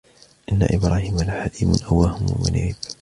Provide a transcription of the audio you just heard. إن إبراهيم لحليم أواه منيب